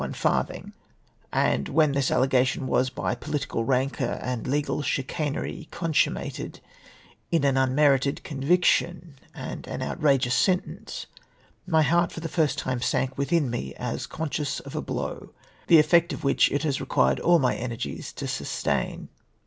one ftxrtliing, and when this [illegation was, by pohtical, rancour and legal chicanery, consummated in an un merited conviction and an outrageous sentence, my heart for the first time sank within me, as conscious of a blow, the effect of which it has required all my energies to sustain.